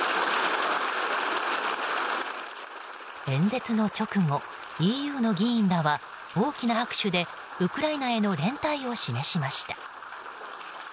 演説の直後、ＥＵの議員らは大きな拍手でウクライナへの連帯を示しました。